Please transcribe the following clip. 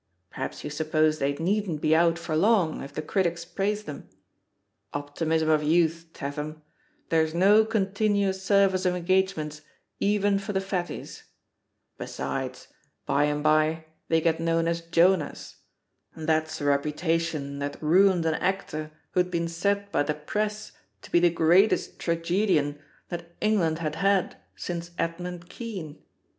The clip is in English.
Perhaps you suppose they needn't be out for long, if the critics praise them? Optimism of youth, Tatham ; there's no continuous service of engage ments even for the Fatties. Besides, by and by they get known as Jonahs. That's a reputation that ruined an actor who'd been said by the Press to be the greatest tragedian that England had had since Edmund Kean.